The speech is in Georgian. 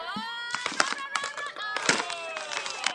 ქვეტყეში მრავალი სახეობის ბუჩქია.